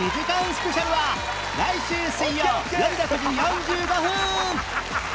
スペシャルは来週水曜よる６時４５分！